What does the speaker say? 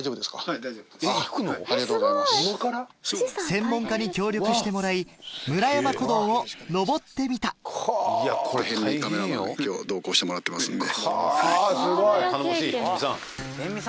専門家に協力してもらい村山古道を登ってみた辺見カメラマンに今日同行してもらってますんで。